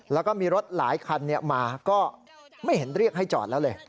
แล้วก็มีรถหลายคันมาก็ไม่เห็นเรียกให้จอดแล้วเลย